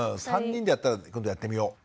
３人でやったら今度やってみよう。